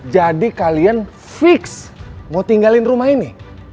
jadi kalian fix mau tinggalin rumah ini